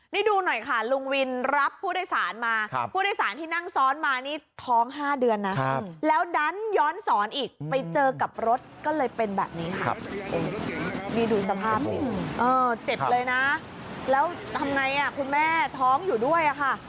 นี่ดูหน่อยค่ะลุงวินรับผู้โดยสารมาผู้โดยสารที่นั่งซ้อนมานี่ท้อง๕เดือนนะแล้วดันย้อนสอนอีกไปเจอกับรถก็เลยเป็นแบบนี้ค่ะนี่ดูสภาพสิเจ็บเลยนะแล้วทำไงคุณแม่ท้องอยู่ด้วยค่ะ